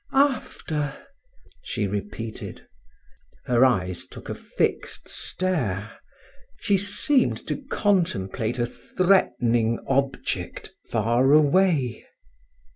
"After " she repeated. Her eyes took a fixed stare; she seemed to contemplate a threatening object far away.